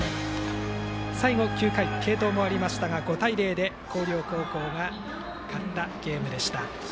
最後、９回継投もありましたが５対０で広陵高校が勝ったゲームでした。